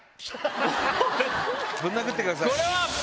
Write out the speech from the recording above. ぶん殴ってください。